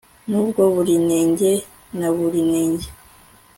nubwo buri nenge na buri nenge